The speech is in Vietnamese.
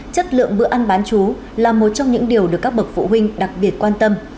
chất lượng bữa ăn bán chú là một trong những điều được các bậc phụ huynh đặc biệt quan tâm